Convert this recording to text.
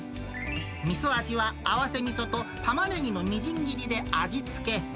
みそ味は合わせみそとタマネギのみじん切りで味付け。